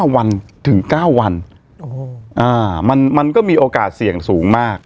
วันถึง๙วันมันก็มีโอกาสเสี่ยงสูงมาก